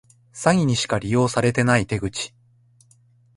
詐欺にしか利用されてない手口